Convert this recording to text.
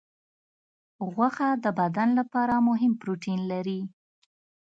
غوښه د بدن لپاره مهم پروټین لري.